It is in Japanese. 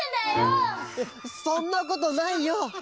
そんなことないよ！